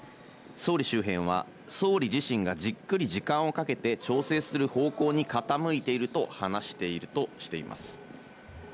総理周辺は総理自身がじっくり時間をかけて調整する方向に傾いていると話しているとしています。